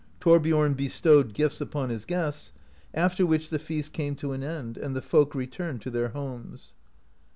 Thorbiorn bestowed gifts upon his guests, after which the feast came to an end, and the folk returned to their homes.